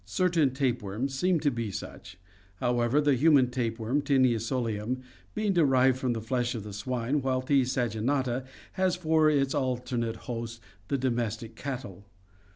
Certain tapeworms seem to be such, however, the human tapeworm, Taenia solium, being derived from the flesh of the swine, while T. saginata has for its alternate host the domestic cattle.